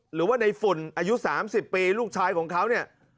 หรือว่าในฝุ่นอายุ๓๐ปีลูกชายของเขาเนี่ย